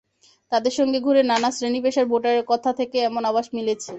তাঁদের সঙ্গে ঘুরে নানা শ্রেণি-পেশার ভোটারের কথা থেকে এমন আভাস মিলেছে।